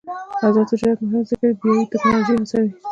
آزاد تجارت مهم دی ځکه چې بایوټیکنالوژي هڅوي.